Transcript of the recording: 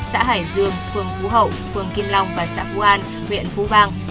xã hải dương phường phú hậu phường kim long và xã phú an huyện phú vang